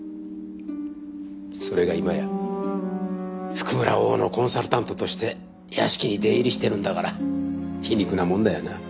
それが今や譜久村翁のコンサルタントとして屋敷に出入りしてるんだから皮肉なもんだよな。